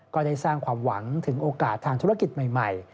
ก็ได้สร้างความหวังถึงโอกาสทางธุรกิจใหม่